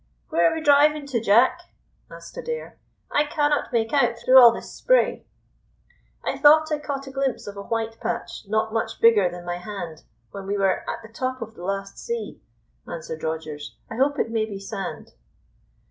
"Where are we driving to, Jack?" asked Adair; "I cannot make out through all this spray." "I thought I caught a glimpse of a white patch not much bigger than my hand when we were at the top of the last sea," answered Rogers. "I hope it may be sand."